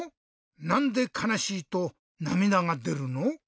なんでかなしいとなみだがでるの？